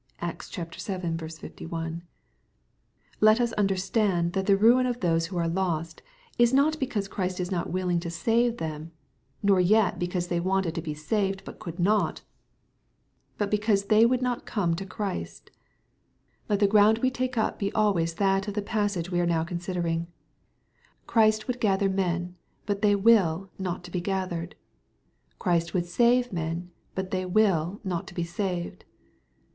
(Acts vii. 51.) (jjet us understand that the ruin of those who are lost, is not because Christ was not willing MATTHEW, CHAP. XXIY. 311 CO Bavo them — ^nor yet because they wanted to be saved, but could not — 'but because thej would not come to Christ^ Let the ground we take up be always that of the passage we are now considering^Christ would gather men, but thejunll not to be gathered ; Christ would save men, but they toill not to be saved.